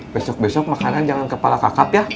besok besok makanan jangan kepala kakap ya